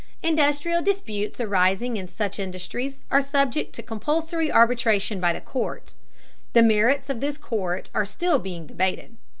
Industrial disputes arising in such industries are subject to compulsory arbitration by the court. The merits of this court are still being debated.